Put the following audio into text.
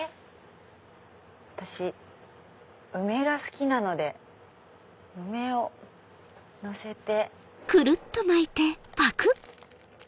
私梅が好きなので梅をのせて。